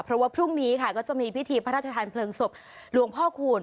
เพราะว่าพรุ่งนี้ค่ะก็จะมีพิธีพระราชทานเพลิงศพหลวงพ่อคูณ